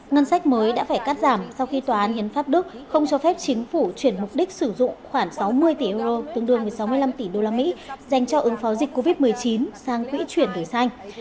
ngân sách mới đã phải cắt giảm sau khi tòa án hiến pháp đức không cho phép chính phủ chuyển mục đích sử dụng khoảng sáu mươi tỷ euro tương đương với sáu mươi năm tỷ usd dành cho ứng phó dịch covid một mươi chín sang quỹ chuyển đổi xanh